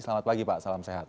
selamat pagi pak salam sehat